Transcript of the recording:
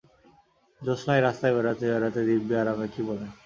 জ্যোৎস্নায় রাস্তায় বেড়াতে বেড়াতে দিব্যি আরামে– কী বলেন?